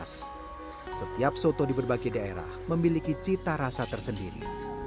setiap soto di berbagai daerah memiliki cita rasa tersendiri